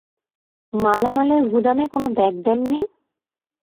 মালামালের গুদামে কোনো ব্যাগ দেননি?